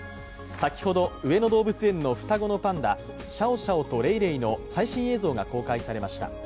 先ほど上野動物園の双子のパンダシャオシャオとレイレイの最新映像が公開されました。